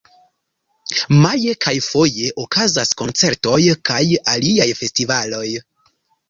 Maje kaj foje okazas koncertoj kaj aliaj festivaloj.